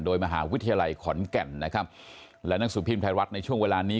โดยมหาวิทยาลัยขอนแก่นนะครับและหนังสือพิมพ์ไทยรัฐในช่วงเวลานี้